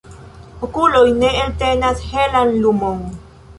Okuloj ne eltenas helan lumon